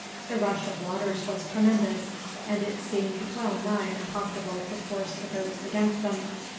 The rush of waters was tremendous, and it seemed well nigh impossible to force the boats against them.